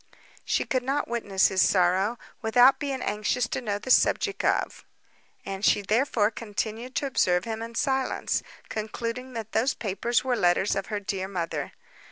She could not witness his sorrow, without being anxious to know the subject of; and she therefore continued to observe him in silence, concluding that those papers were letters of her late mother.